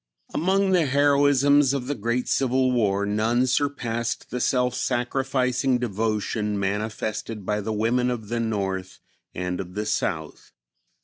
Among the heroisms of the great Civil War none surpassed the self sacrificing devotion manifested by the women of the North and of the South.